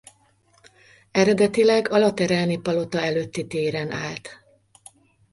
Eredetileg a lateráni palota előtti téren állt.